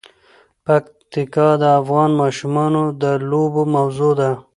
پکتیکا د افغان ماشومانو د لوبو موضوع ده.